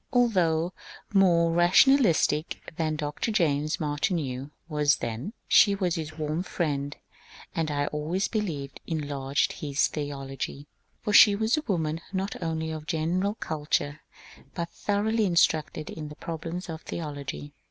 Although more rationalistic than Dr. James Martineau was then, she was his warm friend, and I always believe enlarged his theology ; for she was a woman not only of general cul ture but thoroughly instructed in the problems of theology.